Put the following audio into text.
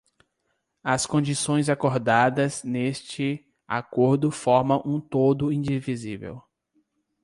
As condições acordadas neste acordo formam um todo indivisível.